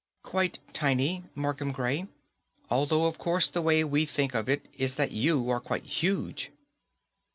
_Quite tiny, Markham Gray. Although, of course, the way we think of it is that you are quite huge.